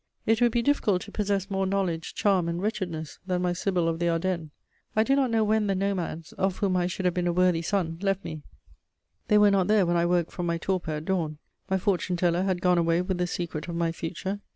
It would be difficult to possess more knowledge, charm, and wretchedness than my sybil of the Ardennes. I do not know when the nomads, of whom I should have been a worthy son, left me; they were not there when I woke from my torpor at dawn. My fortune teller had gone away with the secret of my future.